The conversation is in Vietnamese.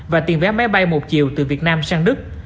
và tiền vé máy bay một chiều từ việt nam sang đức